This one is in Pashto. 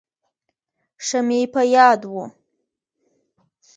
ښه مې په یاد و.